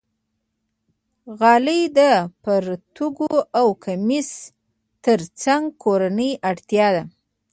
غلۍ د پرتوګ او کمیس تر څنګ کورنۍ اړتیا ده.